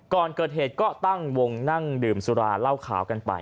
ก่อนเกิดเหตุก็ตั้งวงนั่งดื่มสุราเหล้าขาวกันไป